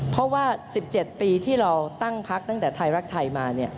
เพราะว่า๑๗ปีที่เราตั้งพักตั้งแต่ไทยรักไทยมา